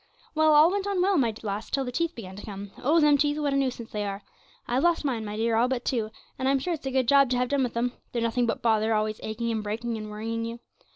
'Well, all went on well, my lass, till the teeth began to come, oh, them teeth, what a nuisance they are! I've lost mine, my dear, all but two, and I'm sure it's a good job to have done with 'em they're nothing but bother, always aching and breaking and worrying you.